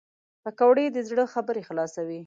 پکورې د زړه خبرې خلاصوي